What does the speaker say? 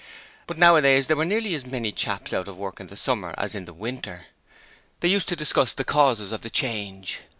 But nowadays there were nearly as many chaps out of work in the summer as in the winter. They used to discuss the causes of the change.